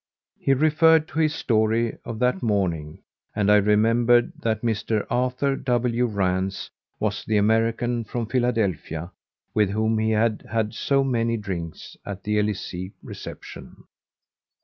He referred to his story of that morning and I remembered that Mr. Arthur W. Rance was the American from Philadelphia with whom he had had so many drinks at the Elysee reception.